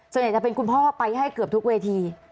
ส่วนใหญ่จะเป็นคุณพ่อไปให้เกือบทุกเวที